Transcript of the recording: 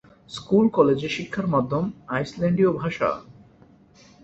School কলেজে শিক্ষার মাধ্যম আইসল্যান্ডীয় ভাষা।